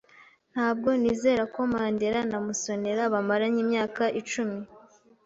Ntabwo nizera ko Mandera na Musonera bamaranye imyaka icumi.